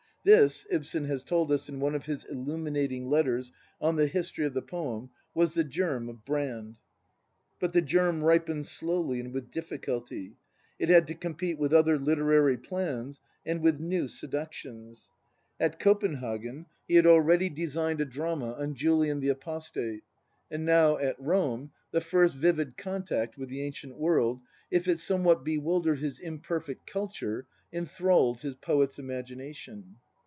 This, Ibsen has told us in one of his illuminating letters on the history of the poem, was the germ of Brand} But the germ ripened slowly and with difficulty. It had to compete with other literary plans and with new seductions. At Copenhagen he had • Correspondence, Letter 74. 3 4 BRAND already designed a drama on Julian the Apostate; and now, at Rome, the first vivid contact with the ancient world, if it somewhat bewildered his imperfect culture, enthralled his poet's imagination.